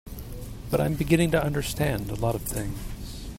But I'm beginning to understand a lot of things.